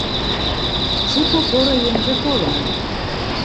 Шуко поро еҥже колыныт.